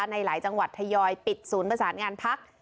ในหลายจังหวัดทยอยปิดศูนย์ประสานงานพัก